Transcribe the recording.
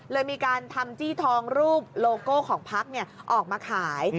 เลยมีการทำจี้ทองรูปโลโก้ของพักออกมาขาย